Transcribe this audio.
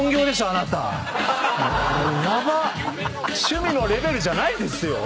趣味のレベルじゃないですよ。